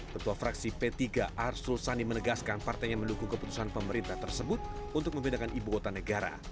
ketua fraksi p tiga arsul sani menegaskan partainya mendukung keputusan pemerintah tersebut untuk membedakan ibu kota negara